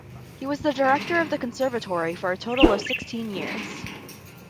He was the director of the Conservatory for a total of sixteen years.